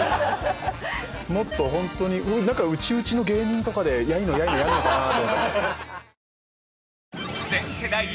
もっと本当に内々の芸人とかでやいのやいのやるのかなと。